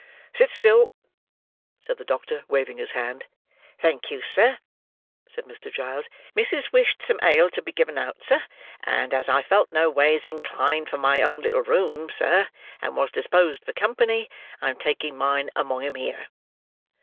"Sit still!" said the doctor, waving his hand. "Thank you, sir," said Mr. Giles. "Misses wished some ale to be given out, sir; and as I felt no ways inclined for my own little room, sir, and was disposed for company, I am taking mine among 'em here."